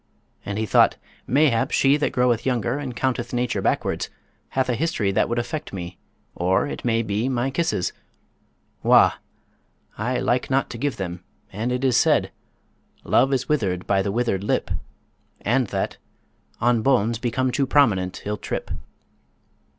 And he thought, 'Mayhap she that groweth younger and counteth nature backwards, hath a history that would affect me; or, it may be, my kisses wah! I like not to give them, and it is said, "Love is wither'd by the withered lip"; and that, "On bones become too prominent he'll trip."